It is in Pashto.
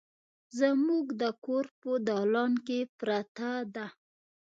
زموږ د کور په دالان کې پرته ده